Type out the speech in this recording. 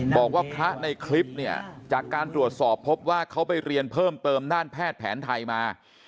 บอกว่าพระในคลิปเนี่ยจากการตรวจสอบพบว่าเขาไปเรียนเพิ่มเติมด้านแพทย์แผนไทยมา